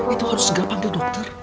itu harus segera panggil dokter